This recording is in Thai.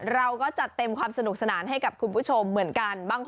เราก็จัดเต็มความสนุกสนานให้กับคุณผู้ชมเหมือนกัน